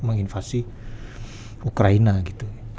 menginvasi ukraina gitu ya